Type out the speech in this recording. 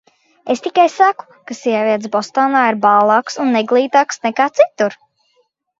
Es tikai saku, ka sievietes Bostonā ir bālākas un neglītākas nekā citur.